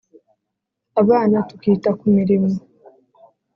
abana tukita ku mirimo